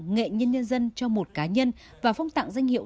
nghệ nhân nhân dân cho một cá nhân và phong tặng danh hiệu